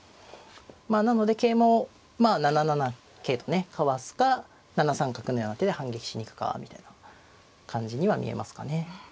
まあなので桂馬を７七桂とねかわすか７三角のような手で反撃しに行くかみたいな感じには見えますかね。